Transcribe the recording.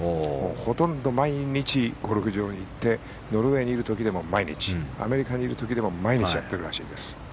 ほとんど毎日ゴルフ場に行ってノルウェーにいる時でも毎日アメリカにいる時でも毎日やってるらしいです。